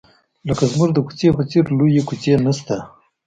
لکه زموږ د کوڅې په څېر لویې کوڅې نشته.